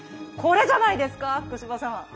これじゃないですか福島さん。